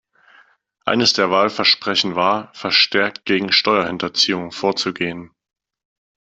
Eines der Wahlversprechen war, verstärkt gegen Steuerhinterziehung vorzugehen.